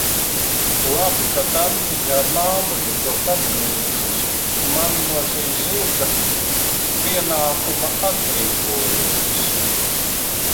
Labi, ka tantiņa ar māmuļu to pamanījušas un mani no šī zirga pienākuma atbrīvojušas.